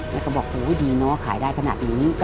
แล้วก็บอกโอ้ดีเนอะขายได้ขนาดนี้